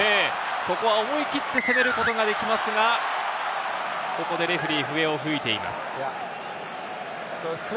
ここは思い切って攻めることができますが、ここでレフェリーが笛を吹いています。